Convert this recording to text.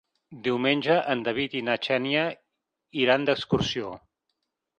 Diumenge en David i na Xènia iran d'excursió.